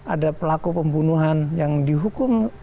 ada pelaku pembunuhan yang dihukum